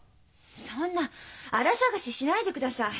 そんなあら探ししないでください。